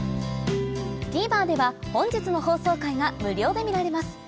ＴＶｅｒでは本日の放送回が無料で見られます